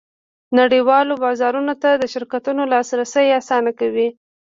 نړیوالو بازارونو ته د شرکتونو لاسرسی اسانه کوي